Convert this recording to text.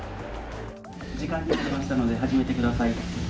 時間になりましたので始めて下さい。